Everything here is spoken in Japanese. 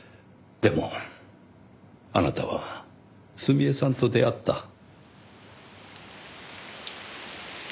でもあなたは澄江さんと出会った。